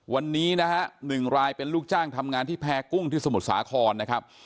วันนี้นะฮะ๑รายเป็นลูกจ้างทำงานที่แพร่กุ้งที่สมุทรสาครนะครับ